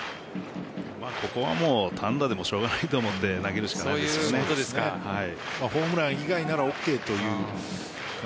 ここはもう単打でもしょうがないと思うのでホームラン以外ならＯＫ